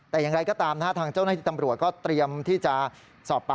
แต่อย่างไรก็ตามนะฮะทางเจ้าหน้าที่ตำรวจก็เตรียมที่จะสอบปากคำ